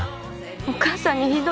お母さんにひどいこと。